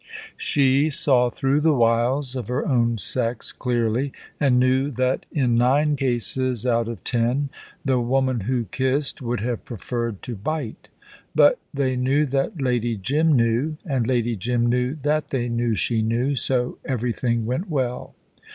She saw through the wiles of her own sex clearly, and knew that in nine cases out of ten the woman who kissed would have preferred to bite. But they knew that Lady Jim knew, and Lady Jim knew that they knew she knew, so everything went well.